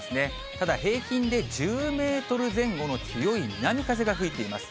ただ、平均で１０メートル前後の強い南風が吹いています。